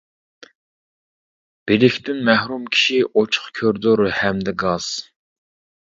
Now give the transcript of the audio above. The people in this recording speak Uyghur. بىلىكتىن مەھرۇم كىشى، ئوچۇق كوردۇر ھەمدە گاس.